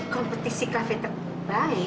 kompetisi kafe terbaik